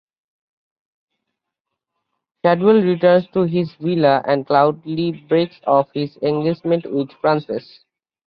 Shadwell returns to his villa and coldly breaks off his engagement with Frances.